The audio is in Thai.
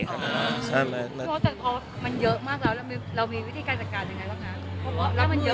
เพราะว่าจากโทษมันเยอะมากแล้วแล้วมีวิธีการจัดการยังไงบ้างครับ